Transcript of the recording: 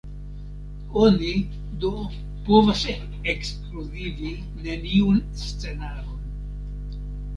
Oni do povas ekskluzivi neniun scenaron.